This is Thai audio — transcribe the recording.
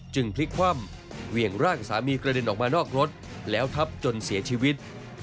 พลิกคว่ำเหวี่ยงร่างสามีกระเด็นออกมานอกรถแล้วทับจนเสียชีวิต